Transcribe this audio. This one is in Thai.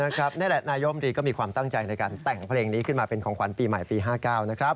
เออนะครับนี่แหละนายกรัฐมนตรีก็มีความตั้งใจในการแต่งเพลงนี้ขึ้นมาเป็นของขวัญปีใหม่ปีห้าเก้านะครับ